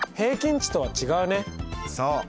そう！